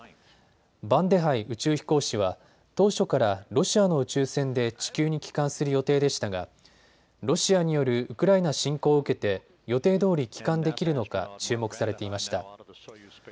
バンデハイ宇宙飛行士は当初からロシアの宇宙船で地球に帰還する予定でしたがロシアによるウクライナ侵攻を受けて予定どおり帰還できるのか注目されていました。